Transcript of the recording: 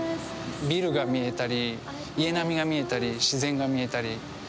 ビルが見えたり家並みが見えたり自然が見えたり。